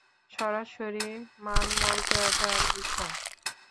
সরাসরি মান-মর্যাদার বিষয়।